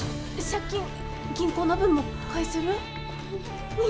借金銀行の分も返せる？